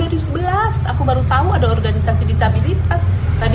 aku baru tahu ada organisasi disabilitas tadi